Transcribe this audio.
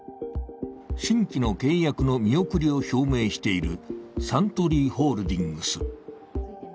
新規の契約の見送りを表明しているサントリーホールディングス。